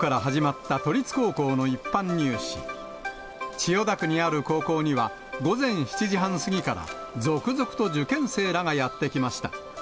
千代田区にある高校には、午前７時半過ぎから、続々と受験生らがやって来ました。